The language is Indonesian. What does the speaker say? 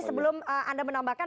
sebelum anda menambahkan